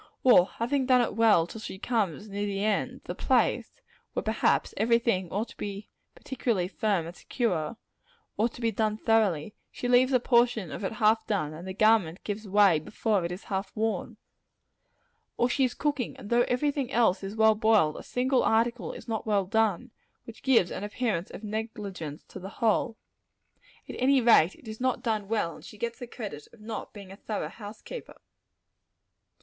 Or having done it well till she comes near the end, the place where, perhaps, every thing ought to be particularly firm and secure ought to be done thoroughly she leaves a portion of it half done; and the garment gives way before it is half worn. Or she is cooking; and though every thing else is well boiled, a single article is not well done which gives an appearance of negligence to the whole. At any rate, it is not done well; and she gets the credit of not being a thorough house keeper.